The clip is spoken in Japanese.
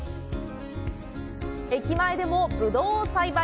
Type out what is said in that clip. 駅前でも、ぶどうを栽培！